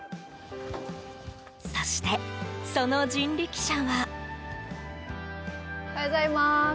そして、その人力車は。